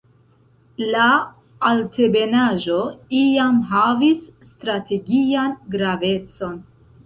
La altebenaĵo iam havis strategian gravecon.